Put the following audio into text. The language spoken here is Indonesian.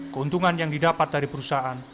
keuntungan yang didapat dari perusahaan